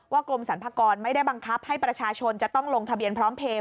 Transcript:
กรมสรรพากรไม่ได้บังคับให้ประชาชนจะต้องลงทะเบียนพร้อมเพลย